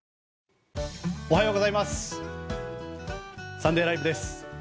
「サンデーＬＩＶＥ！！」です。